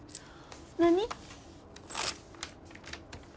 何？